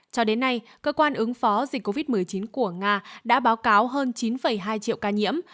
cho đến nay cơ quan ứng phó dịch covid một mươi chín của nga đã báo cáo hơn chín hai triệu ca nhiễm